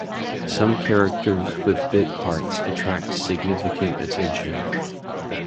Some characters with bit parts attract significant attention.